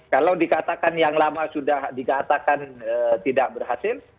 kalau dikatakan yang lama sudah dikatakan tidak berhasil